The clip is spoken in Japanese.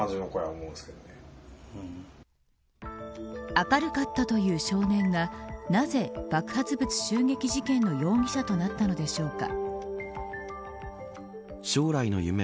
明るかったという少年がなぜ、爆発物襲撃事件の容疑者となったのでしょうか。